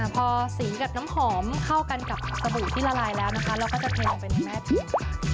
พอสีกับน้ำหอมเข้ากันกับสบู่ที่ละลายแล้วนะคะเราก็จะเทลงไปในแม่พริก